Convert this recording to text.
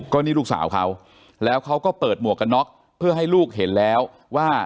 ก็นี่ลูกสาวเขาแล้วเขาก็เปิดหมวกกันน็อกเพื่อให้ลูกเห็นแล้วว่า